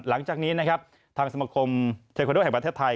หลังจากนี้นะครับทางสมคมเทคอนโดแห่งประเทศไทย